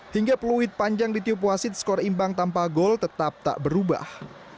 hingga peluit panjang di tiup wasit skor imbang tanpa gol tetap tak berubah